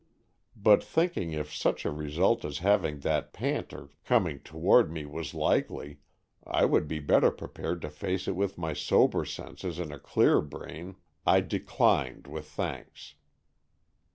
But thinking if such a re sult as having that painter ''coming to ward me," was likely, I would be bet ter prepared to face it with my sober senses and a clear brain, I declined with thanks.